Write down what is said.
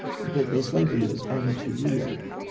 But their slavery was only too real.